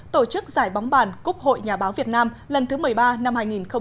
tổ chức giải bóng bàn cúc hội nhà báo việt nam lần thứ một mươi ba năm hai nghìn một mươi chín